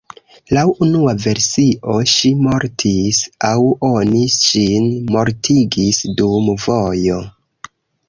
Laŭ unua versio ŝi mortis aŭ oni ŝin mortigis dum vojo.